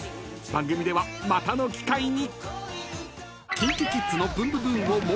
番組ではまたの機会に］